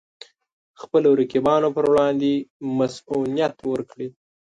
خپلو رقیبانو پر وړاندې مصئونیت ورکړي.